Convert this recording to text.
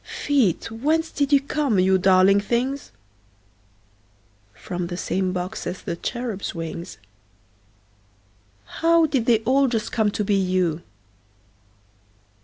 Feet, whence did you come, you darling things? From the same box as the cherubs' wings. How did they all just come to be you?